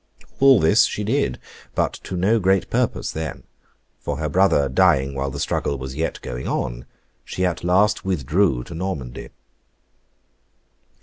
All this she did, but to no great purpose then; for her brother dying while the struggle was yet going on, she at last withdrew to Normandy.